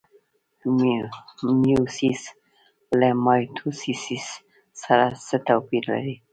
میوسیس له مایټوسیس سره څه توپیر لري؟